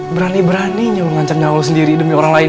berani beraninya menghancam jalan lo sendiri demi orang lain